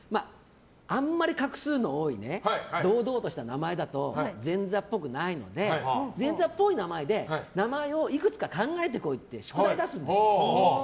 あまり画数の多い堂々とした名前だと前座っぽくないので前座っぽい名前で名前をいくつか考えて来いって宿題出すんですよ。